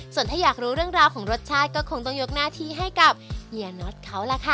ส่วนถ้าอยากรู้เรื่องราวของรสชาติก็คงต้องยกหน้าที่ให้กับเฮียน็อตเขาล่ะค่ะ